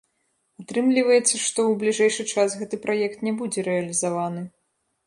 Атрымліваецца, што ў бліжэйшы час гэты праект не будзе рэалізаваны.